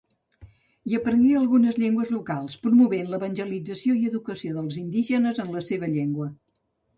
Hi aprengué algunes llengües locals, promovent l'evangelització i educació dels indígenes en la seva llengua.